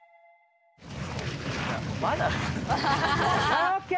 まだ。